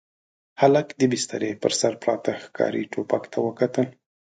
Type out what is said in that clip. هلک د بسترې پر سر پراته ښکاري ټوپک ته وکتل.